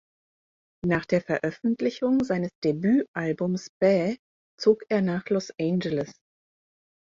Nach der Veröffentlichung seines Debütalbums "Bae" zog er nach Los Angeles.